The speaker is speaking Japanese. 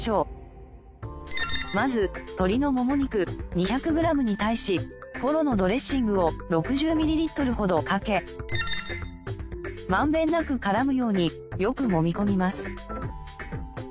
まず鶏のモモ肉２００グラムに対しフォロのドレッシングを６０ミリリットルほどかけ満遍なく絡むようによく揉み込みます。